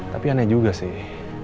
tapi aneh juga sih